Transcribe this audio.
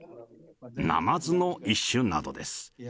ナマズの一種などです。